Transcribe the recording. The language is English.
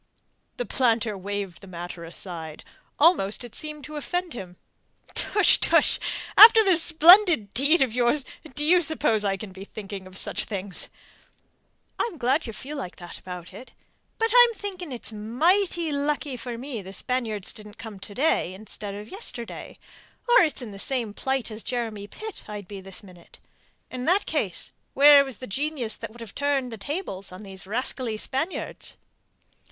The planter waved the matter aside. Almost it seemed to offend him. "Tush! Tush! After this splendid deed of yours, do you suppose I can be thinking of such things?" "I'm glad ye feel like that about it. But I'm thinking it's mighty lucky for me the Spaniards didn't come to day instead of yesterday, or it's in the same plight as Jeremy Pitt I'd be this minute. And in that case where was the genius that would have turned the tables on these rascally Spaniards?"